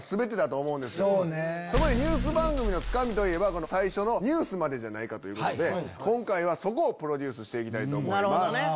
そこでニュース番組のつかみといえば最初のニュースまでじゃないかということで今回はそこをプロデュースしたいと思います。